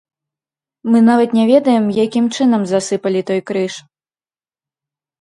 Мы нават не ведаем, якім чынам засыпалі той крыж.